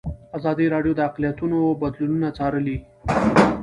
ازادي راډیو د اقلیتونه بدلونونه څارلي.